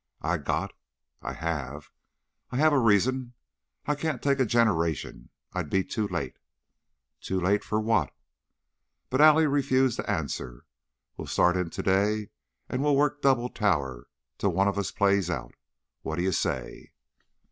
"I got " "I have." "I have a reason. I can't take a generation; I'd be too late." "Too late for what?" But Allie refused to answer. "We'll start in to day and we'll work double tower till one of us plays out. What d'you say?"